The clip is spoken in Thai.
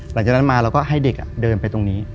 หลังจากนั้นมาเราก็ให้เด็กเดินไปตรงนี้